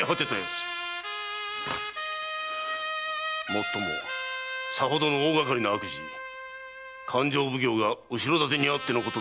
もっともさほどの大がかりな悪事勘定奉行が後ろ盾にあってのことと先刻承知だ。